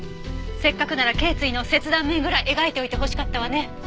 せっかくなら頸椎の切断面ぐらい描いておいてほしかったわね。